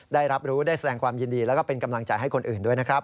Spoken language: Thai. ได้รับรู้ได้แสดงความยินดีแล้วก็เป็นกำลังใจให้คนอื่นด้วยนะครับ